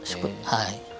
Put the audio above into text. はい。